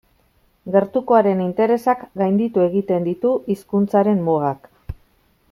Gertukoaren interesak gainditu egiten ditu hizkuntzaren mugak.